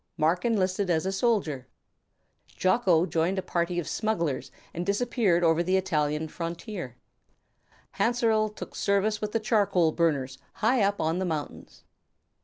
Marc enlisted as a soldier, Jocko joined a party of smugglers and disappeared over the Italian frontier, Hanserl took service with the charcoal burners high up on the mountains.